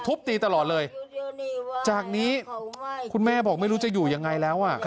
ตีตลอดเลยจากนี้คุณแม่บอกไม่รู้จะอยู่ยังไงแล้วอ่ะ